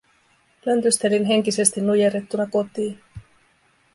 Löntystelin henkisesti nujerrettuna kotiin.